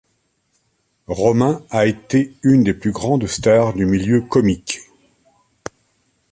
Romain a été une des plus grandes stars du milieu comique.